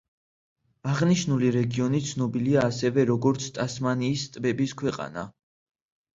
აღნიშნული რეგიონი ცნობილია ასევე როგორც „ტასმანიის ტბების ქვეყანა“.